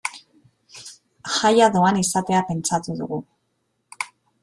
Jaia doan izatea pentsatu dugu.